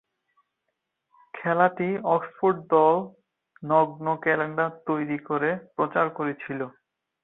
খেলাটি অক্সফোর্ড দল নগ্ন ক্যালেন্ডার তৈরি করে প্রচার করেছিল।